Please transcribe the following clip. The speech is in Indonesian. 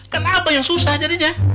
kan apa yang susah jadinya